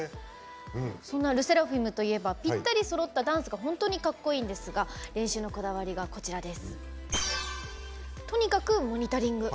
そんなＬＥＳＳＥＲＡＦＩＭといえばぴったりそろったダンスが本当にかっこいいんですが練習のこだわりがとにかくモニタリング。